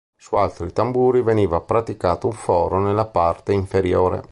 Su altri tamburi veniva praticato un foro nella parte inferiore.